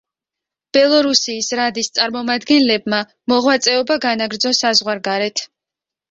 ბელორუსიის რადის წარმომადგენლებმა მოღვაწეობა განაგრძო საზღვარგარეთ.